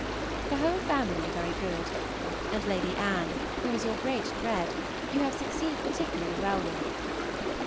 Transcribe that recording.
The whole family are very good; and Lady Anne, who was your great dread, you have succeeded particularly well with.